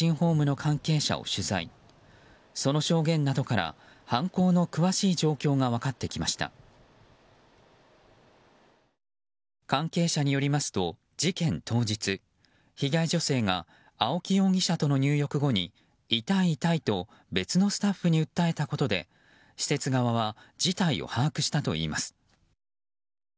関係者によりますと事件当日被害女性が青木容疑者との入浴後に痛い、痛いと別のスタッフに訴えたことで施設側は事態を把握したといいます。